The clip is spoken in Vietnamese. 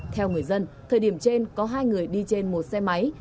theo người dân thời điểm trên có hai người đi trên một xe máy